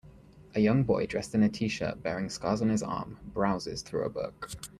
A young boy dressed in a tshirt bearing scars on his arm, browses through a book.